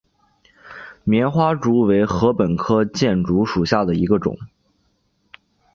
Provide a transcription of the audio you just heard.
棉花竹为禾本科箭竹属下的一个种。